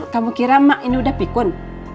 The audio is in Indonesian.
kamu kira mak ini udah pikun